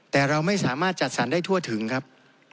แต่เราไม่สามารถจัดสรรได้ทั่วถึงครับ